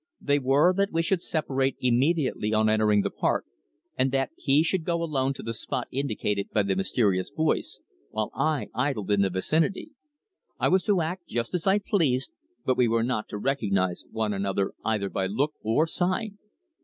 They were that we should separate immediately on entering the park, and that he should go alone to the spot indicated by the mysterious voice, while I idled in the vicinity. I was to act just as I pleased, but we were not to recognise one another either by look or sign.